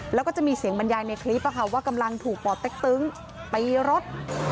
แล้วก็จะมีเสียงบรรยายในคลิปว่ากำลังถูกป่อเต็กตึ้งตีรถ